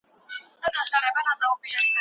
موږ باید د خپلو لورګانو ملاتړ وکړو.